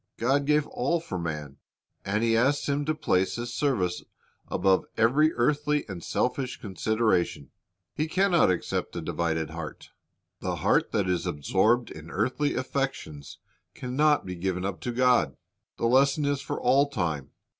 God gave all for man, and He asks him to place His service above every earthly and selfish consideration. He can not accept a divided heart. The heart that is absorbed in earthly affections can not be given up to God. V The lesson is for all time.